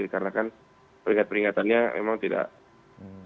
karena kan peringatan peringatannya memang tidak sepenuhnya